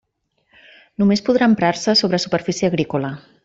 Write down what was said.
Només podrà emprar-se sobre superfície agrícola.